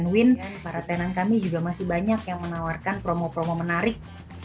win para tenan kami juga masih banyak yang menawarkan promo promo menarik